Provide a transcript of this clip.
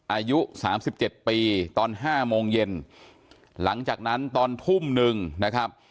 อายุสามสิบเจ็ดปีตอนห้าโมงเย็นหลังจากนั้นตอนทุ่มหนึ่งนะครับ